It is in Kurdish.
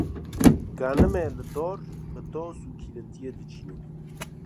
genimê li dar bi das û kîlîntiyê diçînîn